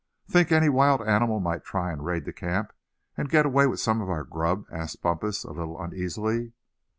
"Think any wild animal might try and raid the camp, and get away with some of our grub?" asked Bumpus, a little uneasily.